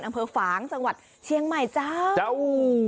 อำเภอฝางจังหวัดเชียงใหม่เจ้าเจ้า